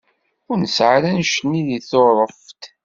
Ur nesεa ara annect-nni deg Tuṛuft.